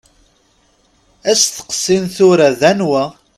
Asteqsi n tura d anwa.